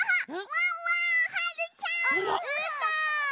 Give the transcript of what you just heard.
ワンワンはるちゃん！うーたん！